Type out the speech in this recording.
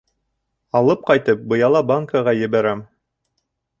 — Алып ҡайтып, быяла банкаға ебәрәм.